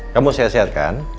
kamu sehat sehat kan